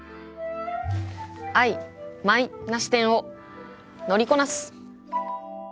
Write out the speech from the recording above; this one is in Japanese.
曖昧な視点を乗りこなす！